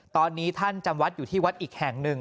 ตอนนี้ท่านจำวัดอยู่ที่วัดอีกแห่งหนึ่ง